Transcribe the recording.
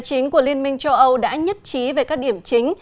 chính của liên minh châu âu đã nhất trí về các điểm chính